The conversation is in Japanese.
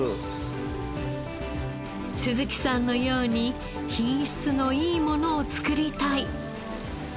鈴木さんのように品質のいいものを作りたい。